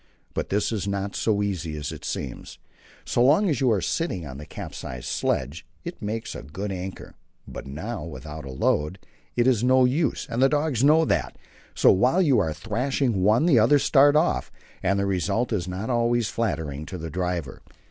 But this is not so easy as it seems. So long as you are sitting on the capsized sledge it makes a good anchor, but now without a load it is no use, and the dogs know that. So while you are thrashing one the others start off, and the result is not always flattering to the driver.